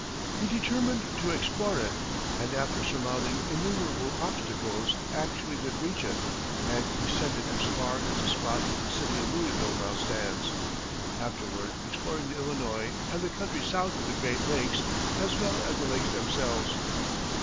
He determined to explore it, and after surmounting innumerable obstacles, actually did reach it, and descend it as far as the spot where the city of Louisville now stands, afterwards exploring the Illinois and the country south of the Great lakes, as well as the lakes themselves.